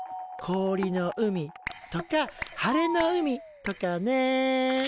氷の海とか晴れの海とかね。